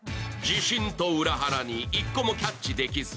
自信と裏腹に１個もキャッチできず。